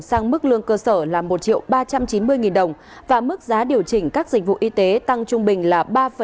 sang mức lương cơ sở là một ba trăm chín mươi đồng và mức giá điều chỉnh các dịch vụ y tế tăng trung bình là ba bốn